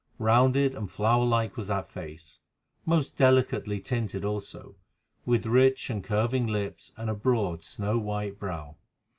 Rounded and flower like was that face, most delicately tinted also, with rich and curving lips and a broad, snow white brow.